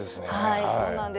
はいそうなんです。